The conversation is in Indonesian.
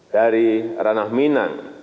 dari ranah minang